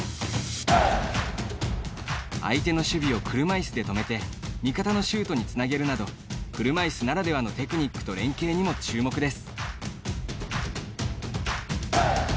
相手の守備を車いすで止めて味方のシュートにつなげるなど車いすならではのテクニックと連係にも注目です。